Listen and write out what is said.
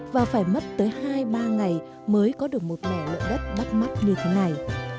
và phải mất tới hai ba ngày mới có được một mẻ lợn đất bắt mắt như thế này